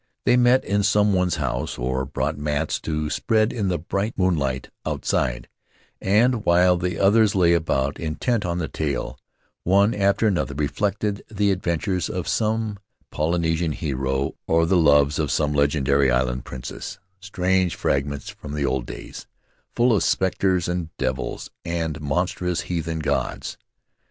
They met in some one's house or brought mats to spread in the bright moonlight outside; and while the others lay about, intent on the tale, one after another related the adventures of some Polynesian hero or the loves of some legendary island princess — strange fragments from the old days, full of specters and devils and monstrous heathen gods.